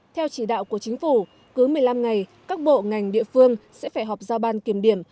theo chỉ đạo của chính phủ cứ một mươi năm ngày các bộ ngành địa phương sẽ phải họp giao ban kiểm điểm